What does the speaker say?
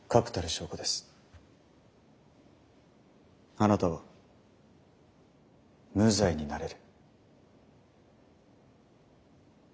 あなたは無罪になれる。